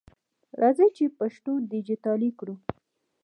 راځئ چې پښتو ډیجټالي کړو!